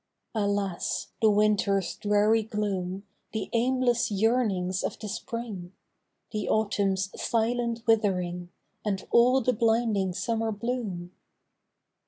Alas ! the Winter's dreary gloom, The aimless yearnings of the Spring ! The Autumn's silent withering, And all the blinding summer bloom